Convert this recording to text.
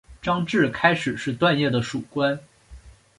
张骘开始是段业的属官。